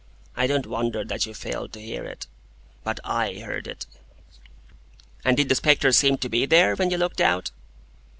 I don't wonder that you failed to hear it. But I heard it." "And did the spectre seem to be there, when you looked out?"